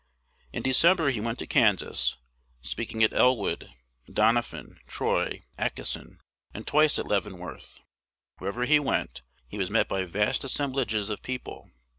In December he went to Kansas, speaking at Elwood, Don aphan, Troy, Atchison, and twice at Leavenworth. Wherever he went, he was met by vast assemblages of people.